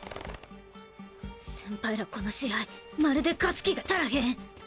先輩らこの試合まるで勝つ気が足らへん！